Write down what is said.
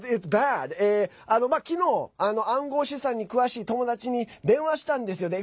昨日、暗号資産に詳しい友達に電話したんですよ。